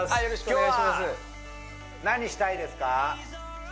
今日は何したいですか？